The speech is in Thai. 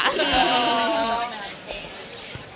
เป็นค่ะ